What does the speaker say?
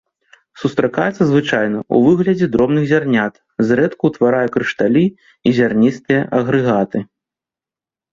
Сустракаецца звычайна ў выглядзе дробных зярнят, зрэдку ўтварае крышталі і зярністыя агрэгаты.